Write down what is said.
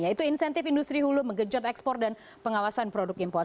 yaitu insentif industri hulu menggenjot ekspor dan pengawasan produk impor